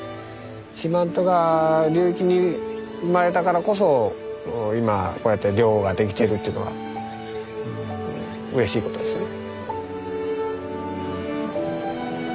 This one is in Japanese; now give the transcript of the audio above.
四万十川流域に生まれたからこそ今こうやって漁ができてるというのはうれしいことですよね。